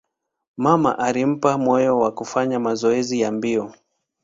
Mama alimpa moyo kufanya mazoezi ya mbio.